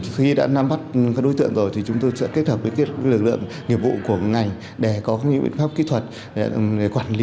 khi đã nắm bắt các đối tượng rồi thì chúng tôi sẽ kết hợp với lực lượng nghiệp vụ của ngành để có những biện pháp kỹ thuật quản lý